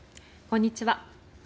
こんにちは。